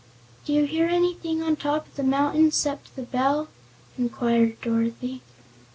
"Do you hear anything on top of the mountain 'cept the bell?" inquired Dorothy.